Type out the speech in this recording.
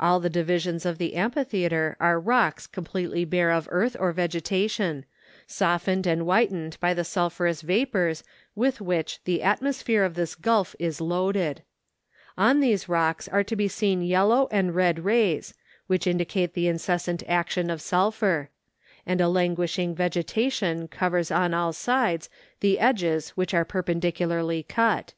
All the divisions of the amphitheatre are rocks com¬ pletely bare of earth or vegetation, softened and whitened by the sulphurous vapours with which the atmosphere of this gulf is loaded. On these rocks are to be seen yellow and red rays, which indicate the incessant action of sulphur; and a languishing vegetation covers on all sides the edges which are perpendicularly cut.